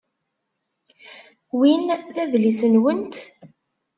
Win d adlis-nwent?